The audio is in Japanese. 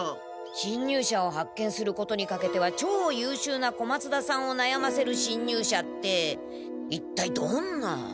しんにゅうしゃを発見することにかけてはちょうゆうしゅうな小松田さんをなやませるしんにゅうしゃって一体どんな？